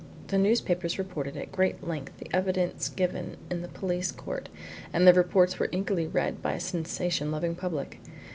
The newspapers reported at great length the evidence given in the police court, and their reports were eagerly read by a sensation loving public.